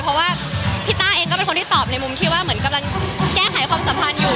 เพราะว่าพี่ต้าเองก็เป็นคนที่ตอบในมุมที่ว่าเหมือนกำลังแก้ไขความสัมพันธ์อยู่